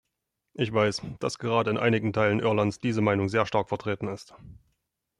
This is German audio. Ich weiß, dass gerade in einigen Teilen Irlands diese Meinung sehr stark vertreten ist.